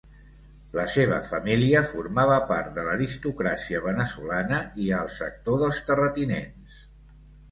La seva família formava part de l'aristocràcia veneçolana i al sector dels terratinents.